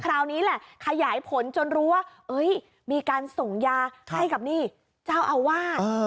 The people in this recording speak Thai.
คราวนี้แหละขยายผลจนรู้ว่ามีการส่งยาให้กับนี่เจ้าอาวาส